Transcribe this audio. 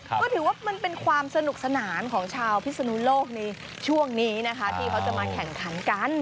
ก็ถือว่ามันเป็นความสนุกสนานของชาวพิศนุโลกในช่วงนี้นะคะที่เขาจะมาแข่งขันกัน